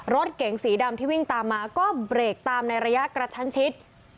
รถเก๋งสีดำที่วิ่งตามมาก็เบรกตามในระยะกระชั้นชิด